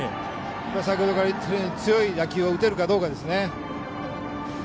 先ほどから言っているように強い打球を打てるかどうかです。